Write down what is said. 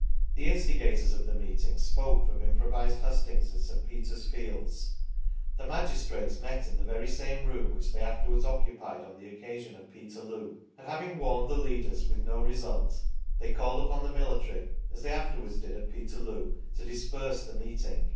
The instigators of the meeting spoke from improvised hustings in St. Peter's fields. The magistrates met in the very same room which they afterwards occupied on the occasion of Peterloo, and having warned the leaders with no result, they called upon the military, as they after wards did at Peterloo, to disperse the meeting.